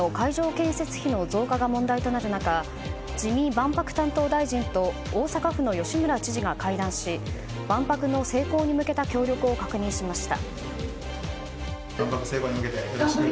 建設費の増加が問題となる中自見万博担当大臣と大阪府の吉村知事が会談し万博の成功に向けた協力を確認しました。